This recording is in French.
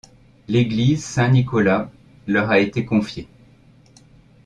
L’église Saint-Nicolas leur a été confiée.